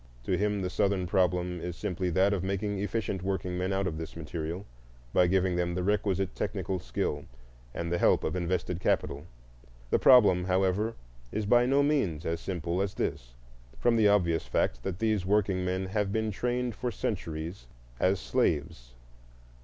To him the Southern problem is simply that of making efficient workingmen out of this material, by giving them the requisite technical skill and the help of invested capital. The problem, however, is by no means as simple as this, from the obvious fact that these workingmen have been trained for centuries as slaves.